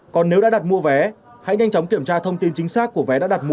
còn nếu đã đặt mua vé hãy nhanh chóng kiểm tra thông tin chính xác của vé đã đặt mua